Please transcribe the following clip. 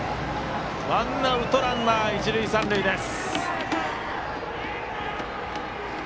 ワンアウトランナー、一塁三塁です。